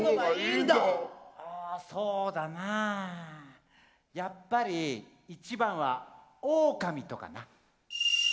あそうだな。やっぱり一番はオオカミとかな。